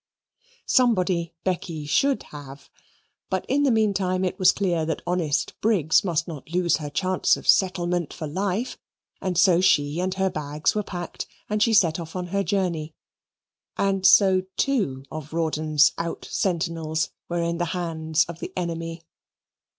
Somebody Becky should have. But in the meantime it was clear that honest Briggs must not lose her chance of settlement for life, and so she and her bags were packed, and she set off on her journey. And so two of Rawdon's out sentinels were in the hands of the enemy.